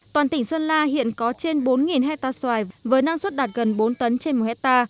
toàn tỉnh sơn la hiện có trên bốn hectare xoài với năng suất đạt gần bốn tấn trên một hectare